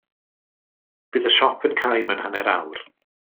Bydd y siop yn cau mewn hanner awr.